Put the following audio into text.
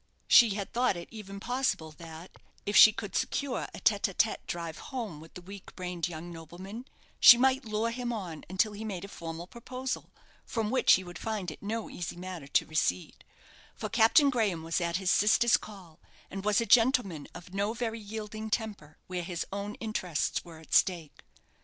She had thought it even possible that, if she could secure a tête à tête drive home with the weak brained young nobleman, she might lure him on until he made a formal proposal, from which he would find it no easy matter to recede; for Captain Graham was at his sister's call, and was a gentleman of no very yielding temper where his own interests were at stake.